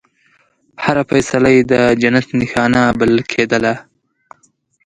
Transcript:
هره فیصله یې د جنت نښانه بلل کېدله.